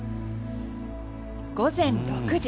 午前６時。